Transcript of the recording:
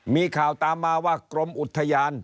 มีข่าวตามมาว่ากรมอุทยาน